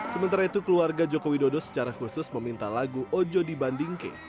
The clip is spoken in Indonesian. sementara itu keluarga joko widodo secara khusus meminta lagu ojo di bandingke